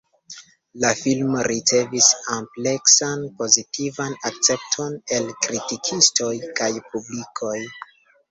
La filmo ricevis ampleksan pozitiva akcepton el kritikistoj kaj publiko.